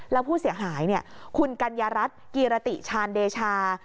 แล้วผู้เสียหายคุณกัญญารัฐกิรติชาญเดชา